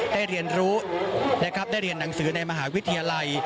ได้เรียนรู้ได้เรียนหนังสือในมหาวิทยาลัย